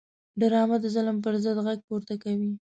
ډرامه د ظلم پر ضد غږ پورته کوي